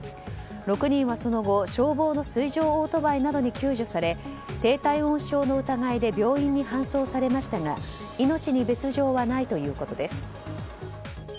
６人はその後消防の水上オートバイなどに救助され、低体温症の疑いで病院に搬送されましたが命に別条はないということです。